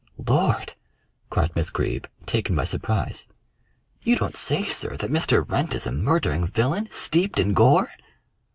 "Lord!" cried Miss Greeb, taken by surprise. "You don't say, sir, that Mr. Wrent is a murdering villain, steeped in gore?"